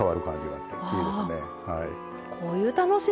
はい。